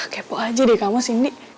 kepo aja deh kamu sini